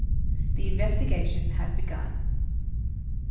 The investigation had begun.